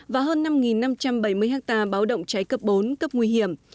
và hơn năm năm trăm bảy mươi ha báo động cháy cấp bốn cấp nguy hiểm